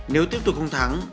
nếu tiếp tục không thắng